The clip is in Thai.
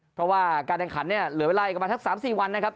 เพราะว่าการแข่งขันเนี่ยเหลือเวลาอีกประมาณสัก๓๔วันนะครับ